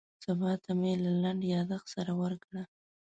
سبا ته مې له لنډ یاداښت سره ورکړه.